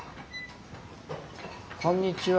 こんにちは。